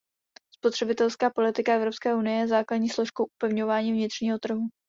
Spotřebitelská politika Evropské unie je základní složkou upevňování vnitřního trhu.